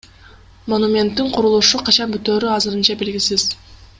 Монументтин курулушу качан бүтөөрү азырынча белгисиз.